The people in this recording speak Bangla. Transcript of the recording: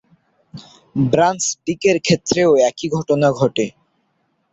ব্রান্স-ডিকের ক্ষেত্রেও একই ঘটনা ঘটে।